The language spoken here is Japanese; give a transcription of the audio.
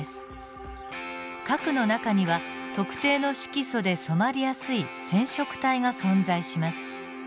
核の中には特定の色素で染まりやすい染色体が存在します。